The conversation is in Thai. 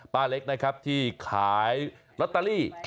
ป้าเล็กที่ขายตัวเล็ก